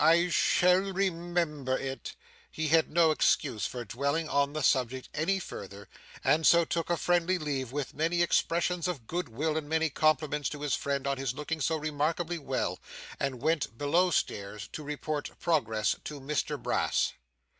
I shall remember it,' he had no excuse for dwelling on the subject any further, and so took a friendly leave with many expressions of good will and many compliments to his friend on his looking so remarkably well; and went below stairs to report progress to Mr Brass.